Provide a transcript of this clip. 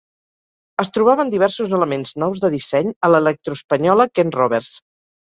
Es trobaven diversos elements nous de disseny a l'electro-espanyola Ken Roberts.